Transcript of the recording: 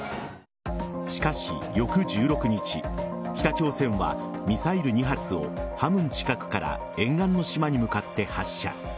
しかし、翌１６日北朝鮮はミサイル２発をハムフン近くから沿岸の島に向かって発射。